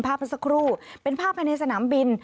ภาพสคุเป็นภาพภายในสนามบิล